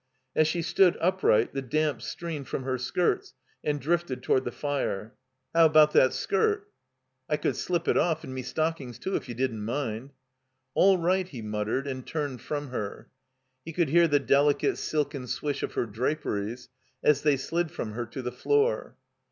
As she stood upright the damp streanaed from her skirts and drifted toward the fire. "How about that skirt?" "I could slip it oS, and me stockings, too, if you didn't mind." "All right," he muttered, and turned from her. He could hear the delicate silken swish of her draperies as they slid from her to the floor.